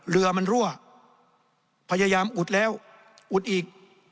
เรือมันรั่วพยายามอุดแล้วอุดอีก